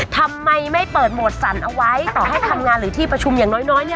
ทำไมไม่เปิดโหมดสั่นเอาไว้ต่อให้ทำงานหรือที่ประชุมอย่างน้อยเนี่ย